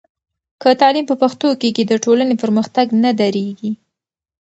که تعلیم په پښتو کېږي، د ټولنې پرمختګ نه درېږي.